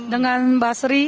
dengan mbak sri